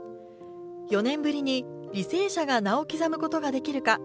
４年ぶりに履正社が名を刻むことができるか。